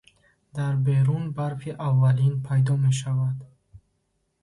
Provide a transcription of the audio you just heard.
Дар берун барфи аввалин пайдо мешавад.